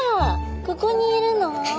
ここにいるの？